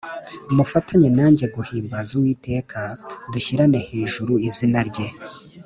Mufatanyenanjye guhimbaza uwiteka, dushyirane hejuru izina rye